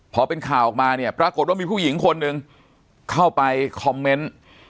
พอเป็นข่าวออกมาเนี่ยปรากฏว่ามีผู้หญิงคนหนึ่งเข้าไปคอมเมนต์